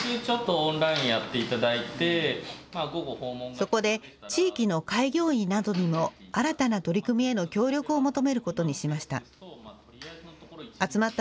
そこで地域の開業医などにも新たな取り組みへの協力を求めることにしました。